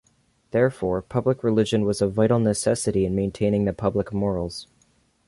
Therefore, public religion was a vital necessity in maintaining the public morals.